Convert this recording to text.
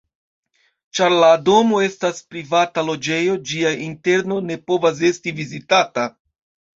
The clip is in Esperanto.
Ĉar la domo estas privata loĝejo, ĝia interno ne povas esti vizitata.